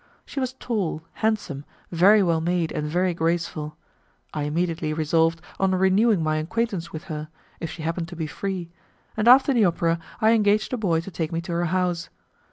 She was tall, handsome, very well made and very graceful. I immediately resolved on renewing my acquaintance with her, if she happened to be free, and after the opera I engaged a boy to take me to her house.